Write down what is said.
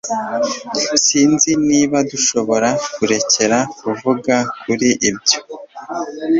Sinzi niba dushobora kurekera kuvuga kuri ibyo.